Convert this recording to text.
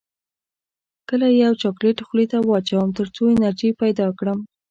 کله یو چاکلیټ خولې ته واچوم تر څو انرژي پیدا کړم